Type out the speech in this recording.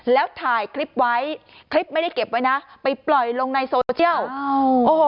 แล้วถ่ายคลิปไว้คลิปไม่ได้เก็บไว้นะไปปล่อยลงในโซเชียลโอ้โห